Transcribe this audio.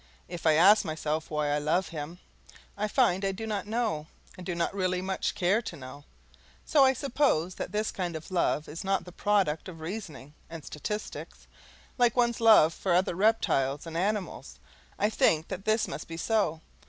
If I ask myself why I love him, I find I do not know, and do not really much care to know; so I suppose that this kind of love is not a product of reasoning and statistics, like one's love for other reptiles and animals. I think that this must be so.